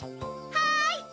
はい！